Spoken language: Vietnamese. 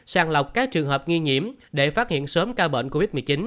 sàng lọc các trường hợp nghi nhiễm để phát hiện sớm ca bệnh covid một mươi chín